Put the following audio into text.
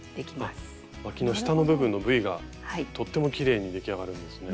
あっわきの下の部分のＶがとってもきれいに出来上がるんですね。